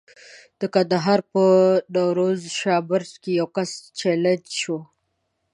د کندهار په نوروز شاه برج کې یو کس چلنج شو.